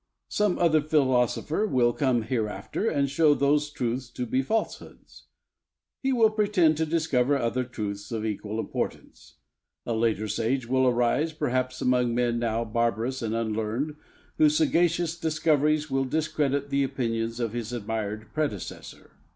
Some other philosopher will come hereafter, and show those truths to be falsehoods. He will pretend to discover other truths of equal importance. A later sage will arise, perhaps among men now barbarous and unlearned, whose sagacious discoveries will discredit the opinions of his admired predecessor.